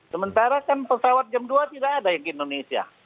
sementara kan pesawat jam dua tidak ada yang ke indonesia